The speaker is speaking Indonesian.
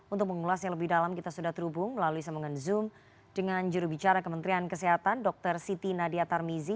untuk mengulasnya lebih dalam kita sudah terhubung melalui sambungan zoom dengan jurubicara kementerian kesehatan dr siti nadia tarmizi